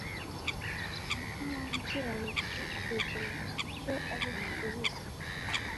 umutima w’umukiranutsi utekereza icyo ari busubize,